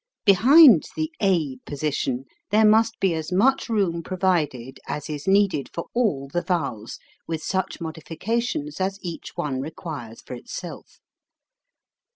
Behind the a position there must be as much room provided as is needed for all the vowels, with such modifications as each one requires for itself.